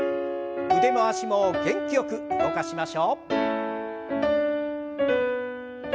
腕回しも元気よく動かしましょう。